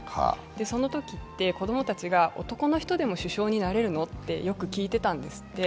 そのときって、子供たちが「男の人でも首相になれるの？」ってよく聞いていたんですって。